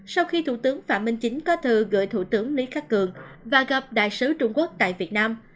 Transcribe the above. sau khi thủ tướng phạm minh chính có thư gửi thủ tướng lý khắc cường và gặp đại sứ trung quốc tại việt nam